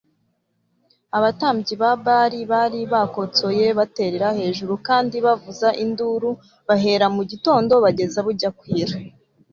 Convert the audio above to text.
Abatambyi ba Bali bari bakotsoye biterera hejuru kandi bavuza induru bahera mu gitondo bageza bujya kwira